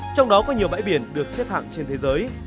trong đó có nhiều bãi biển được xếp hạng trên thế giới